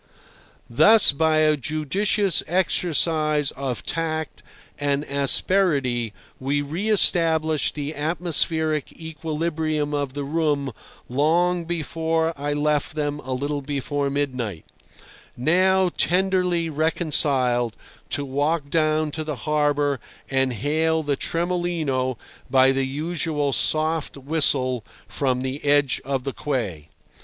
Thus by a judicious exercise of tact and asperity we re established the atmospheric equilibrium of the room long before I left them a little before midnight, now tenderly reconciled, to walk down to the harbour and hail the Tremolino by the usual soft whistle from the edge of the quay.